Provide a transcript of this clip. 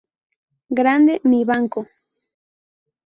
Grande mi Banco.